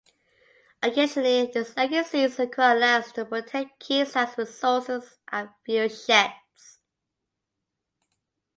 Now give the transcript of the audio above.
Occasionally, these agencies acquire lands to protect key sites, resources and viewsheds.